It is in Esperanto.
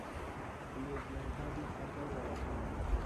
Plie ĝi enhavis ankaŭ la latinan.